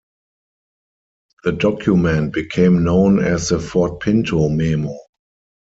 The document became known as the "Ford Pinto Memo".